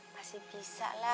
masih bisa lah